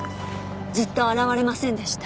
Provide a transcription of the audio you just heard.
ずっと現れませんでした。